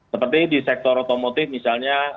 seperti di sektor otomotif misalnya